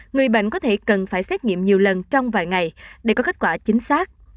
người bệnh có thể cần phải xét nghiệm nhiều lần trong vài ngày để có kết quả chính xác